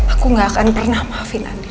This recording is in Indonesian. aku gak akan pernah maafin nanti